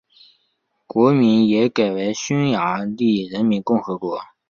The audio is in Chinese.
国名也改为匈牙利人民共和国。